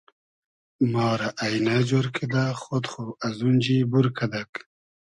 ما رۂ اݷنۂ جۉر کیدۂ خۉد خو ازونجی بور کئدئگ